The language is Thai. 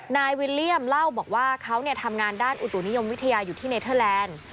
นายวิลเลี่ยมเล่าบอกว่าเขาทำงานด้านอุตุนิยมวิทยาอยู่ที่เนเทอร์แลนด์